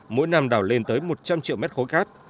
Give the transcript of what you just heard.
mỗi năm đảo lên tới một trăm linh triệu mét khối cát